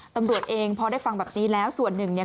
ตำรวจเองพอได้ฟังแบบนี้แล้วส่วนหนึ่งเนี่ย